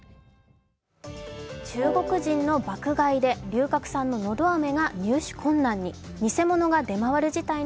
中国人の爆買いで龍角散の、のど飴が入手困難に。